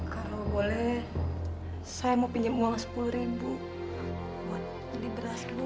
kalau boleh saya mau pinjam uang sepuluh ribu buat beli beras dulu